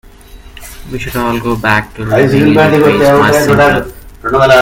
We should all go back to living in the trees, much simpler.